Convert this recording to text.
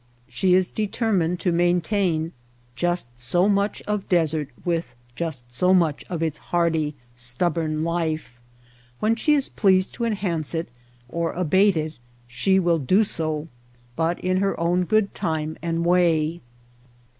She is deter MOUNTAIN BARRIERS 229 mined to maintain just so much of desert with just so much of its hardy, stubborn life. When she is pleased to enhance it or abate it she will do so ; but in her own good time and way.